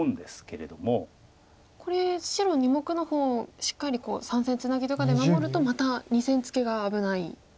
これ白は２目の方をしっかり３線ツナギとかで守るとまた２線ツケが危ない。